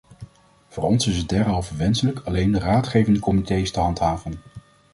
Voor ons is het derhalve wenselijk alleen de raadgevende comités te handhaven.